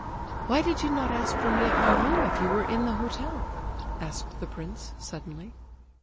"Why did you not ask for me at my room if you were in the hotel?" asked the prince, suddenly.